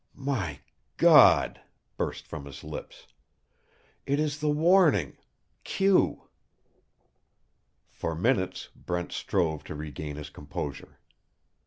"My God!" burst from his lips. "It is the warning Q!" For minutes Brent strove to regain his composure.